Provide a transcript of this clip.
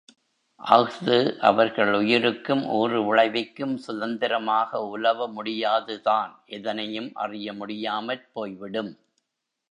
அஃது அவர்கள் உயிருக்கும் ஊறு விளைவிக்கும் சுதந்திரமாக உலவ முடியாது தான் எதனையும் அறிய முடியாமற் போய்விடும்.